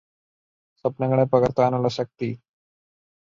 സ്വപ്നങ്ങളെ പകര്ത്താനുള്ള ശക്തി